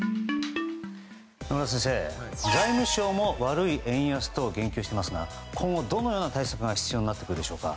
野村先生、財務省も悪い円安と言及していますが今後、どのような対策が必要になってくるでしょうか。